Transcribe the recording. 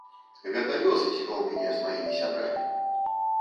Гэта лёс звёў мяне з маімі сябрамі.